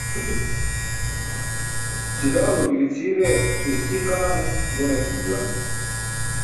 Ćilawlo giri-cʰiire iski qaa ne gon eetum juwan.